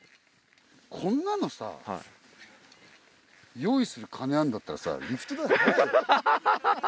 こんなの用意する金あんだったらリフト代払えよ。